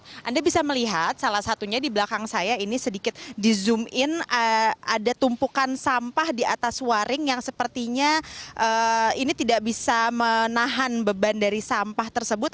anda bisa melihat salah satunya di belakang saya ini sedikit di zoom in ada tumpukan sampah di atas waring yang sepertinya ini tidak bisa menahan beban dari sampah tersebut